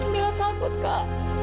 mila takut kak